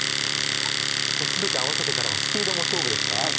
全て合わせてからはスピードも勝負ですか？